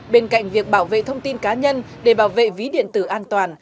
bên cạnh việc bảo vệ thông tin cá nhân để bảo vệ ví điện tử an toàn